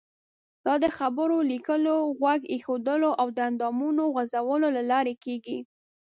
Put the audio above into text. دا د خبرو، لیکلو، غوږ ایښودلو او د اندامونو خوځولو له لارې کیږي.